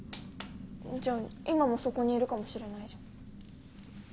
じゃあ今もそこにいるかもしれないじゃん。